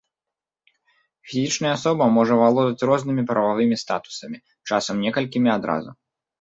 Фізічная асоба можа валодаць рознымі прававымі статусамі, часам некалькімі адразу.